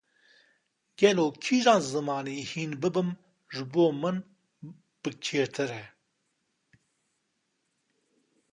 Gelo kîjan zimanî hîn bibim ji bo min bikêrtir e?